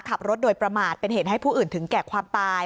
ขับรถโดยประมาทเป็นเหตุให้ผู้อื่นถึงแก่ความตาย